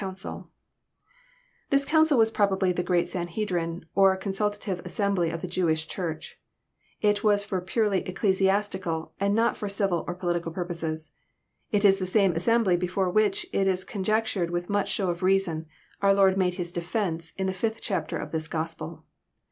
.councU,'] This council was probably the great sanhedrim, or consultative assembly of the Jewish Church. It was for purely ecclesiastical, and not for civil or political purposes. It is the same assembly before which, it is conjectured with much show of reason, our Lord made His defence, in the fifth chapter of this gospel.